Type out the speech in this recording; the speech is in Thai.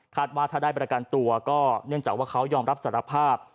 ว่าถ้าได้ประกันตัวก็เนื่องจากว่าเขายอมรับสารภาพ